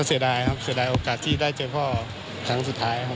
เสียดายครับเสียดายโอกาสที่ได้เจอพ่อครั้งสุดท้ายครับ